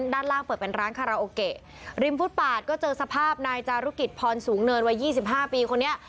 ด้านล่างเปิดเป็นร้านคาราโอเกะริมฟุตปาดก็เจอสภาพนายจารุกิจพรสูงเนินวัย๒๕ปีคนนี้